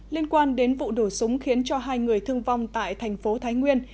liên quan đến vụ đổ súng khiến cho hai người thương vong tại thành phố thái nguyên